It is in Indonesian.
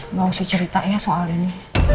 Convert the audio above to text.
mau saya cerita ya soal ini